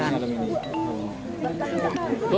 bagaimana perbuatan ibu